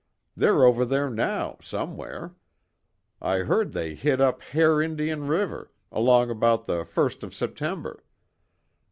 They're over there now, somewhere. I heard they hit up Hare Indian River, along about the first of September.